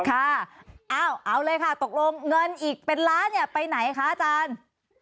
ค่ะเอาเลยค่ะตกลงเงินอีกเป็นล้านเนี่ยไปไหนคะอาจารย์